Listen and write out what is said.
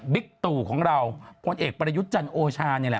บิ๊กตู่ของเราคนเอกประยุทธ์จันทร์โอชา